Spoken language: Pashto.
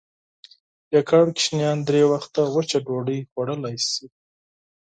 يواځې ماشومانو درې وخته وچه ډوډۍ خوړلی شوای.